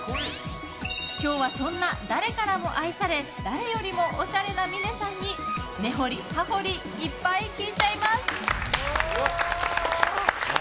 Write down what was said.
今日は、そんな誰からも愛され誰よりもおしゃれな峰さんに根掘り葉掘りいっぱい聞いちゃいます。